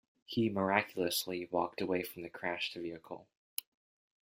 He miraculously walked away from the crashed vehicle.